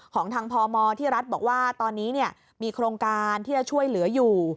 ของทางพมที่รัฐบอกว่าตอนนี้มีโครงการที่จะช่วยเหลืออยู่